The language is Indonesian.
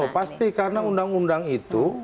pasti karena undang undang itu